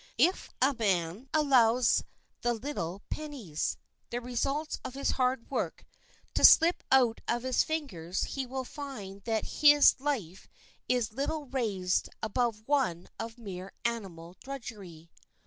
If a man allows the little pennies—the results of his hard work—to slip out of his fingers he will find that his life is little raised above one of mere animal drudgery.